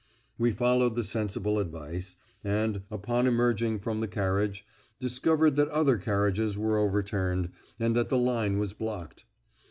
We followed the sensible advice, and, upon emerging from the carriage, discovered that other carriages were overturned, and that the line was blocked.